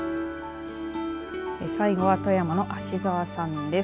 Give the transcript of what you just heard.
最後は富山の芦沢さんです。